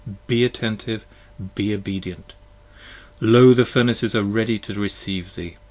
Be attentive! be obedient! Lo the Furnaces are ready to recieve thee.